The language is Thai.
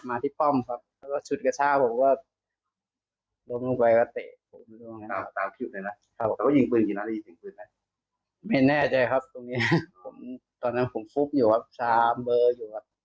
ไม่แน่ใจครับตรงนี้ผมตอนนั้นผมฟุบอยู่ครับชาเบอร์อยู่ครับ